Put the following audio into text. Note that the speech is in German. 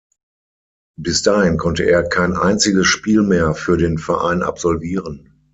Bis dahin konnte er kein einziges Spiel mehr für den Verein absolvieren.